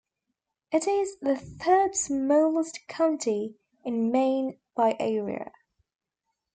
It is the third-smallest county in Maine by area.